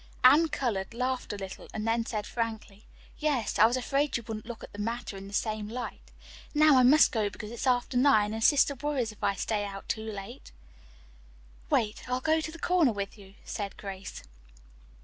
Anne colored, laughed a little and then said frankly, "Yes, I was afraid you wouldn't look at the matter in the same light. Now, I must go, because it is after nine and sister worries if I stay out late." "Wait, I'll go to the corner with you," said Grace.